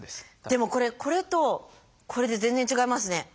でもこれこれとこれで全然違いますね。